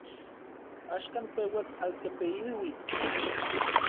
Axkan peuas altepeiluitl.